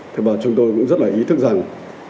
thế và chúng tôi cũng rất là ý thức rằng